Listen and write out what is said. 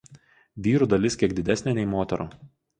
Vyrų dalis kiek didesnė nei moterų.